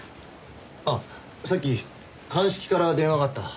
ああさっき鑑識から電話があった。